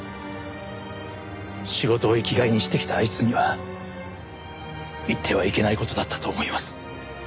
仕事を生きがいにしてきたあいつには言ってはいけない事だったと思います。